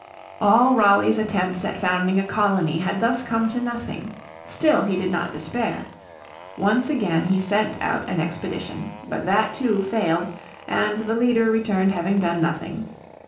All Raleigh's attempts at founding a colony had thus come to nothing. Still he did not despair. Once again he sent out an expedition. But that too failed and the leader returned having done nothing.